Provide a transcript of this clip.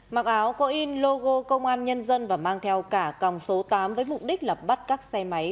mặc áo có in logo công an nhân dân và mang theo cả còng số tám với mục đích là bắt các xe máy